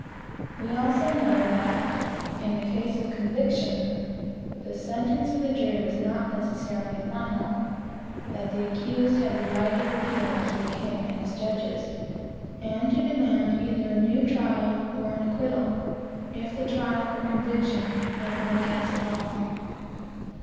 We also know that, in case of conviction, the sentence of the jury was not necessarily final; that the accused had the right of appeal to the king and his judges, and to demand either a new trial, or an acquittal, if the trial or conviction had been against law.